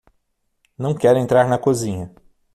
Não quero entrar na cozinha